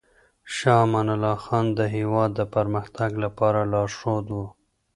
شاه امان الله خان د هېواد د پرمختګ لپاره لارښود و.